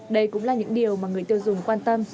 đây cũng là những điều mà người tiêu dùng quan tâm